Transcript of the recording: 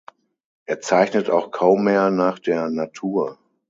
Er zeichnet auch kaum mehr nach der Natur.